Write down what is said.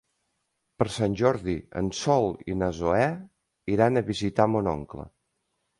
Per Sant Jordi en Sol i na Zoè iran a visitar mon oncle.